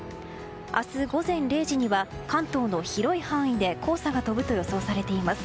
明日午前０時には関東の広い範囲で黄砂が飛ぶと予想されています。